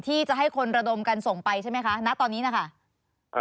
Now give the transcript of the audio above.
ที่จะให้คนระดมกันส่งไปใช่ไหมคะณตอนนี้นะคะ